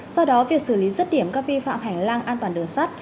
do đó việc xử lý rứt điểm các vi phạm hành lang an toàn đường sắt